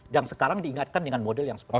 dan sekarang diingatkan dengan model yang seperti itu